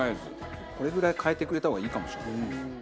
これぐらい変えてくれた方がいいかもしれない。